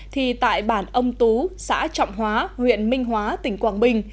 thì tại bản âm tú xã trọng hóa huyện minh hóa tỉnh quảng bình